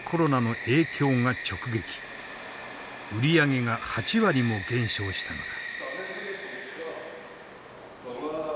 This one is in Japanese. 売り上げが８割も減少したのだ。